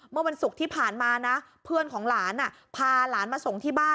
เมื่อวันศุกร์ที่ผ่านมานะเพื่อนของหลานพาหลานมาส่งที่บ้าน